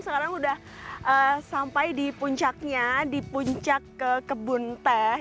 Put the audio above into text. sekarang sudah sampai di puncaknya di puncak kebun teh